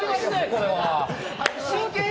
これは。